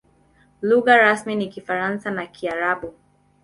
Lugha rasmi ni Kifaransa na Kiarabu.